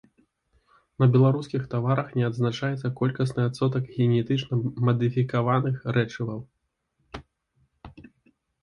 На беларускіх таварах не адзначаецца колькасны адсотак генетычна мадыфікаваных рэчываў.